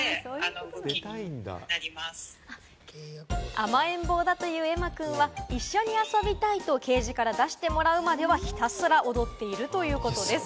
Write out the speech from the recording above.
甘えん坊だというエマくんは一緒に遊びたいと、ケージから出してもらうまではひたすら踊っているということです。